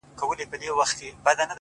سیاه پوسي ده!! رنگونه نسته!!